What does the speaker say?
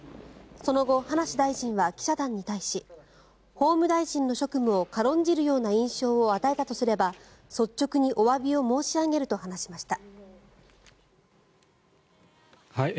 その後、葉梨大臣は記者団に対し法務大臣の職務を軽んじるような印象を与えたとすれば率直におわびを申し上げると話しました。